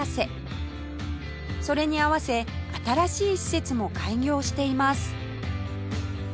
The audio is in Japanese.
それに合わせ新しい施設も開業しています